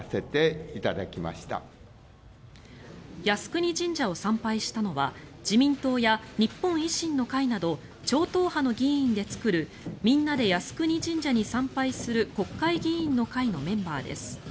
靖国神社を参拝したのは自民党や日本維新の会など超党派の議員で作るみんなで靖国神社に参拝する国会議員の会のメンバーです。